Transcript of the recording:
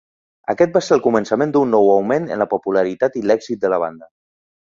Aquest va ser el començament d'un nou augment en la popularitat i l'èxit de la banda.